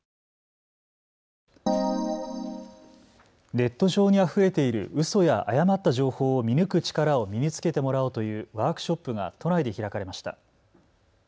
ネット上にあふれているうそや誤った情報を見抜く力を身につけてもらおうというワークショップが都内で開かれました。